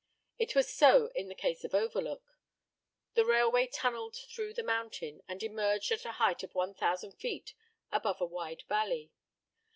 It was so in the case of Overlook. The railway tunneled through the mountain, and emerged at a height of 1000 feet above a wide valley.